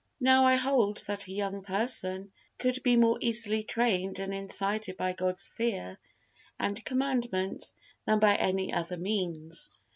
Now I hold that a young person could be more easily trained and incited by God's fear and commandments than by any other means.